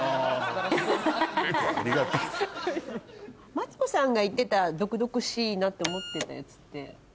マツコさんが言ってた毒々しいなと思ってたやつって。